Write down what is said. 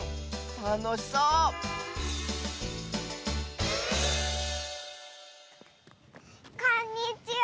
たのしそうこんにちは！